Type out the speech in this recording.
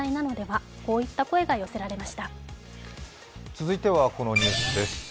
続いては、このニュースです